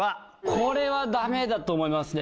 これはダメだと思いますね。